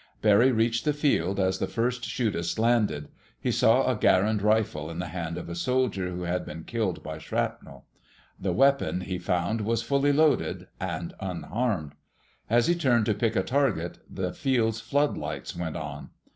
Barry reached the field as the first 'chutists landed. He saw a Garand rifle in the hand of a soldier who had been killed by shrapnel. The weapon, he found, was fully loaded—and unharmed. As he turned to pick a target, the field's floodlights went on.